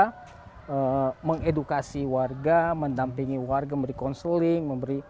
kita mengedukasi warga mendampingi warga memberi konseling memberi